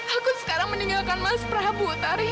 aku sekarang meninggalkan mas prabu tari